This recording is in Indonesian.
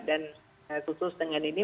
dan khusus dengan ini